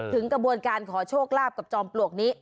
ถึงกระบวนการขอโชคลาภกับจอมปลวกนี้